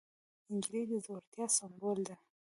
نجلۍ د زړورتیا سمبول ده.